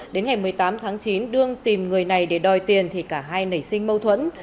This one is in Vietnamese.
đến ngày một mươi tám tháng chín đương tìm người này để đòi tiền thì cả hai nảy sinh mâu thuẫn